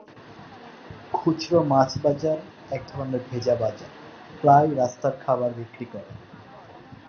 খুচরো মাছ বাজার, এক ধরনের ভেজা বাজার, প্রায়ই রাস্তার খাবার বিক্রি করে।